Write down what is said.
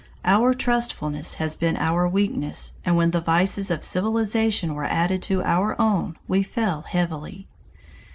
Our trustfulness has been our weakness, and when the vices of civilization were added to our own, we fell heavily.